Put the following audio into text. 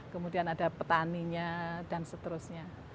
kemudian ada petaninya dan seterusnya